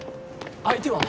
相手は？